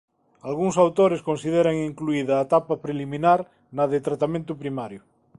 Algúns autores consideran incluída a etapa preliminar na de tratamento primario.